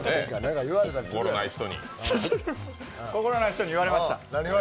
心ない人に言われました。